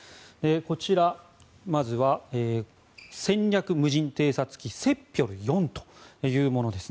こちら、まずは戦略無人偵察機セッピョル４というものです。